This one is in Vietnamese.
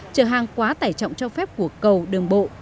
trở hàng quá tài trọng cho phép của cầu đường bộ